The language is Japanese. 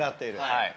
はい。